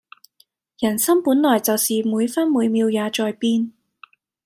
人心本來就是每分每秒也在變